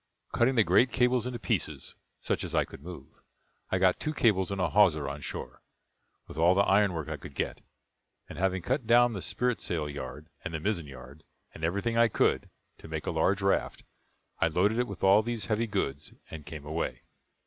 Cutting the great cable into pieces, such as I could move, I got two cables and a hawser on shore, with all the ironwork I could get; and having cut down the spritsail yard, and the mizzen yard, and everything I could, to make a large raft, I loaded it with all these heavy goods, and came away.